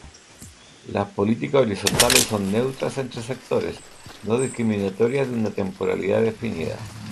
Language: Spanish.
Las políticas horizontales son neutras entre sectores, no discriminatorias y de una temporalidad definida.